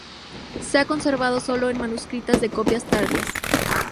Se ha conservado sólo en manuscritos de copias tardías.